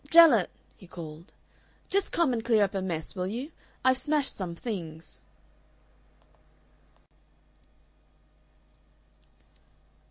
"Gellett," he called, "just come and clear up a mess, will you? I've smashed some things."